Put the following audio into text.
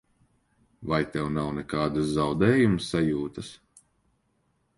Vai tev nav nekādas zaudējuma sajūtas?